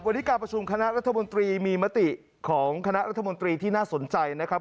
วันนี้การประชุมคณะรัฐมนตรีมีมติของคณะรัฐมนตรีที่น่าสนใจนะครับ